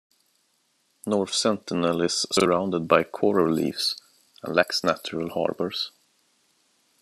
North Sentinel is surrounded by coral reefs, and lacks natural harbours.